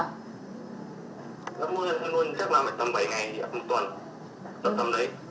năm mươi năm mươi chắc là một trăm bảy mươi ngày chắc là một tuần tầm tầm lấy